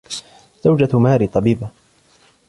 زوجة ماري طبيبة.